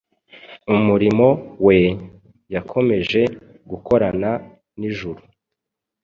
umurimo we, yakomeje gukorana n’ijuru.